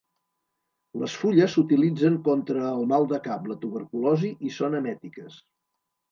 Les fulles s'utilitzen contra el mal de cap, la tuberculosi i són emètiques.